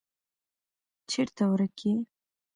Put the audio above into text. چیرته ورک یې.